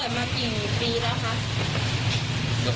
มันเปิดมากี่ปีแล้วคะ